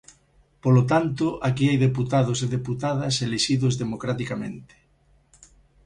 Polo tanto, aquí hai deputados e deputadas elixidos democraticamente.